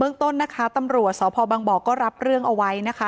ต้นนะคะตำรวจสพบังบ่อก็รับเรื่องเอาไว้นะคะ